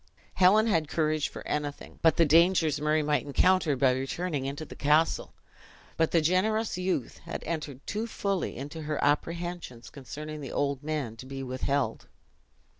Helen had courage for anything but the dangers Murray might encounter by returning into the castle; but the generous youth had entered too fully into her apprehensions concerning the old man to be withheld.